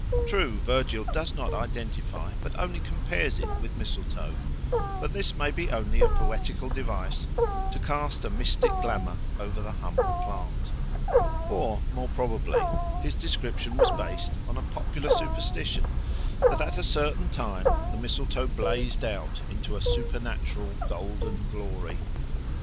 True, Virgil does not identify but only compares it with mistletoe. But this may be only a poetical device to cast a mystic glamour over the humble plant. Or, more probably, his description was based on a popular superstition that at certain times the mistletoe blazed out into a supernatural golden glory.